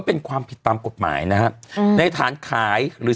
เป็นการกระตุ้นการไหลเวียนของเลือด